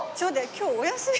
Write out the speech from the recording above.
今日お休み？